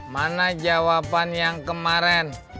mana jawaban yang kemarin